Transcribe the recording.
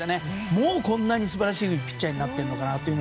もうこんなに素晴らしいピッチャーになってるのかって